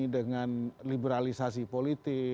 dengan liberalisasi politik